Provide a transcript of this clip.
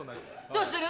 どうする？